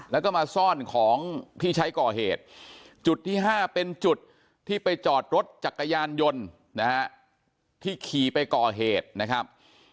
แล้วก็มาซ่อนของที่ใช้ก่อเหตุจุดที่๕เป็นจุดที่ไปจอดรถจักรยานยนต์นะฮะที่ขี่ไปก่อเหตุนะครับ